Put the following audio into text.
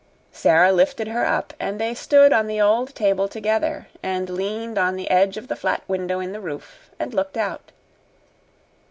Sara lifted her up, and they stood on the old table together and leaned on the edge of the flat window in the roof, and looked out.